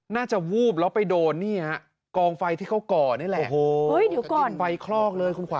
น่าจะวูบแล้วไปโดนกองไฟที่เขาก่อนี่แหละ